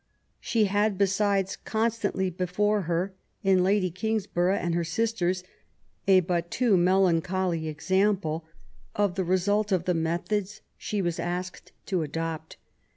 She had, besides, constantly before her in Lady Kingsborough and her sisters a but too melancholy example of the result of the methods she was asked to adopt.